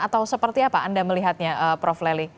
atau seperti apa anda melihatnya prof leli